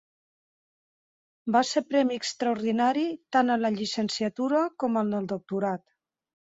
Va ser premi extraordinari tant en la llicenciatura com en el doctorat.